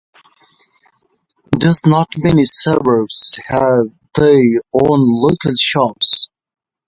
Does Not many suburbs have their own local shops?".